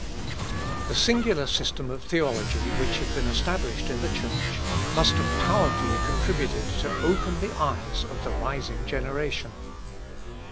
The singular system of Theology which had been established in the Church must have powerfully contributed to open the eyes of the rising generation.